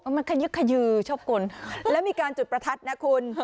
มันขยึกขยือชอบคนแล้วมีการจุดประทัดนะคุณ